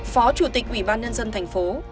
phó chủ tịch ủy ban nhân dân thành phố